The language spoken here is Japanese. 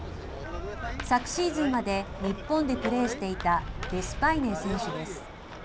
昨シーズンまで日本でプレーしていたデスパイネ選手です。